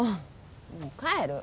もう帰る！